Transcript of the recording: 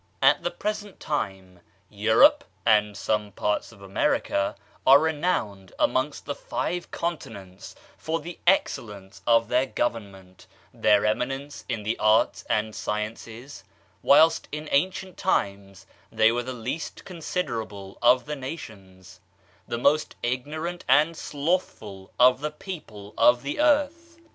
At the present time, Europe, and some parts of America, are renowned amongst the five con tinents for the excellence of their government, their eminence in the arts and sciences ; whilst in ancient times they were the least considerable of the na tions ; the most ignorant and slothful of the people of the earth.